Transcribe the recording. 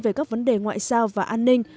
về các vấn đề ngoại giao và an ninh